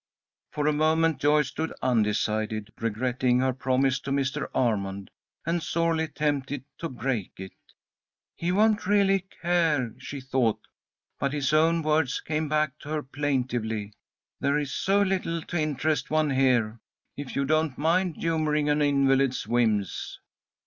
For a moment Joyce stood undecided, regretting her promise to Mr. Armond, and sorely tempted to break it. "He won't really care," she thought, but his own words came back to her plaintively: "There is so little to interest one here, if you don't mind humouring an invalid's whims."